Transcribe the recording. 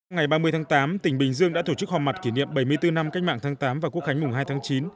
ngày ba mươi tháng tám tỉnh bình dương đã tổ chức họp mặt kỷ niệm bảy mươi bốn năm cách mạng tháng tám và quốc khánh mùng hai tháng chín